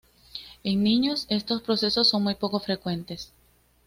En niños estos procesos son muy poco frecuentes.